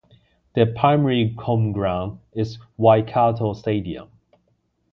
Their primary home ground is Waikato Stadium.